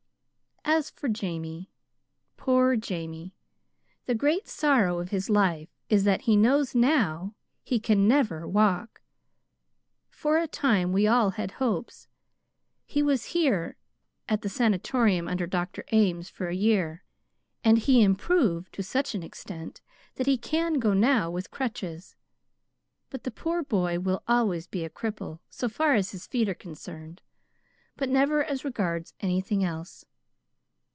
"As for Jamie poor Jamie! The great sorrow of his life is that he knows now he can never walk. For a time we all had hopes. He was here at the Sanatorium under Dr. Ames for a year, and he improved to such an extent that he can go now with crutches. But the poor boy will always be a cripple so far as his feet are concerned, but never as regards anything else.